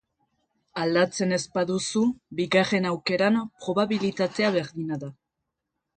Aldatzen ez baduzu, bigarren aukeran probabilitatea berdina da.